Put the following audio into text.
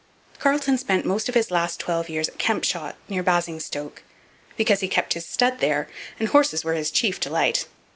Carleton spent most of his last twelve years at Kempshot near Basingstoke because he kept his stud there and horses were his chief delight.